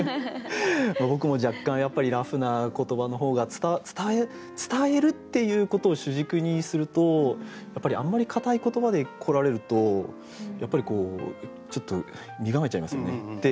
僕も若干やっぱりラフな言葉の方が伝えるっていうことを主軸にするとやっぱりあんまり堅い言葉で来られるとやっぱりちょっと身構えちゃいますよねって